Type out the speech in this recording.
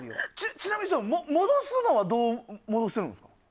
ちなみに戻すのはどうやって戻すんですか。